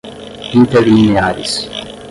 interlineares